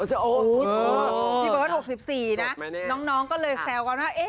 พี่เบิร์ต๖๔นะน้องก็เลยแซวกันว่า